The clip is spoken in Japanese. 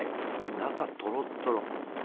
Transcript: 中トロトロ。